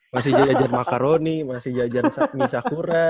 masih jajan makaroni masih jajan mie sakura